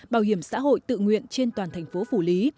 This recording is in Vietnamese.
bảo hiểm xã hội tự nguyện trên toàn thành phố phủ lý